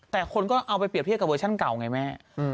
แต่คนก็เอาไปเรียบเทียบกับเวอร์ชั่นเก่าไงแม่